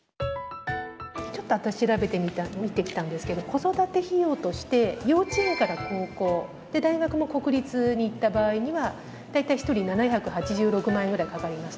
ちょっと私調べてみてきたんですけど子育て費用として幼稚園から高校大学も国立に行った場合には大体１人７８６万円くらいかかります。